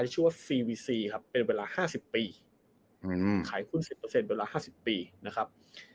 ที่ชื่อว่าครับเป็นเวลาห้าสิบปีอืมขายหุ้นสิบเปอร์เซ็นต์เวลาห้าสิบปีนะครับ